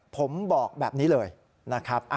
ผมบอกแบบนี้เลยนะครับ